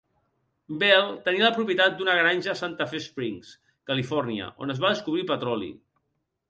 Bell tenia la propietat d"una granja a Santa Fe Springs, Califòrnia, on es va descobrir petroli.